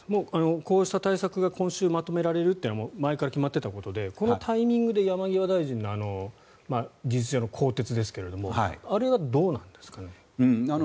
こうした対策が今週まとめられるというのは前から決まっていたことでこのタイミングで山際大臣の事実上の更迭ですがあれはどうなんですかね。